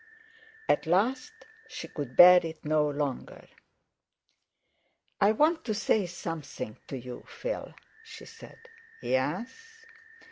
At last she could bear it no longer. "I want to say something to you, Phil," she said. "Yes?"